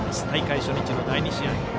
大会初日の第２試合。